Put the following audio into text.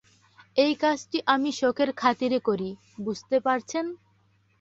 এই কাজটি আমি শখের খাতিরে করি, বুঝতে পারছেন?